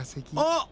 あっ！